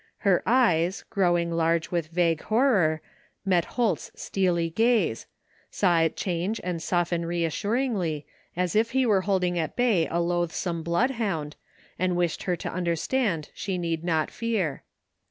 Her eyes, growing large with vague l horror, met Holt's steely gaze, saw it change and soften ) reassuringly, as if he were holding at bay a loathsome blood hound and wished her to understand she need not fear.